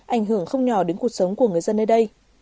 ảnh hưởng không nhỏ đến cuộc sống của người dân nơi đây